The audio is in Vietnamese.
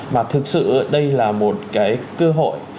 mà thực sự đây là một cái cơ hội